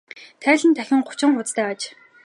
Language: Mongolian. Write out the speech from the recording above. Тайлан нь дахиад гучин хуудастай аж.